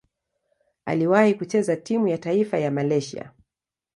Aliwahi kucheza timu ya taifa ya Malaysia.